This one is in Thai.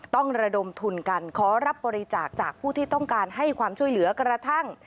ต้องระดมทุนกันขอรับบริจาคจากผู้ที่ต้องการให้ความช่วยเหลือกระทั่ง